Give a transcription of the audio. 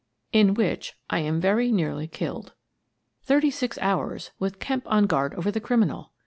IN WHICH I AM VERY NEARLY KILLED Thirty six hours, with Kemp on guard over the criminal!